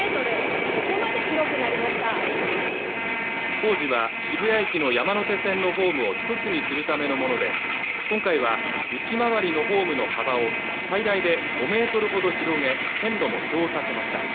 工事は渋谷駅の山手線のホームを１つにするためのもので今回は内回りのホームの幅を最大で５メートルほど広げ線路も移動させました